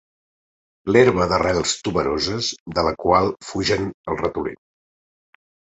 L'herba d'arrels tuberoses de la qual fugen els ratolins.